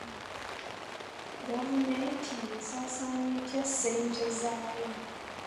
Gavumenti esaasaanya etya ssente zaayo?